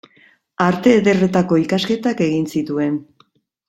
Arte ederretako ikasketak egin zituen.